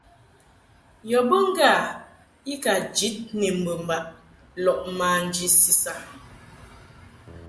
Yɔ be ŋgâ i ka jid ni mɨmbaʼ lɔʼ manji sisa.